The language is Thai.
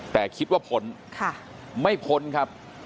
แต่คิดว่าผลไม่ผลครับ